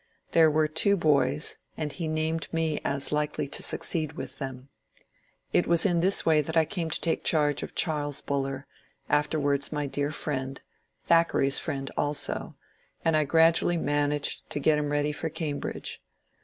There were two boys, and he named me as likely to succeed with them. It was in this way that I came to take charge of Charles Buller, — af ter wiurds my dear friend, Thackeray's friend also, — and I grad ually managed to get him ready for Cambridge.